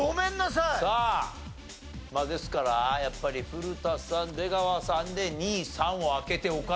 さあまあですからやっぱり古田さん出川さんで２３を開けておかないと。